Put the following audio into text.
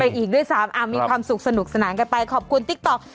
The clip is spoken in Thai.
อีกด้วยซ้ำมีความสุขสนุกสนานกันไปขอบคุณติ๊กต๊อก